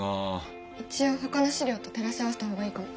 一応ほかの史料と照らし合わせた方がいいかも。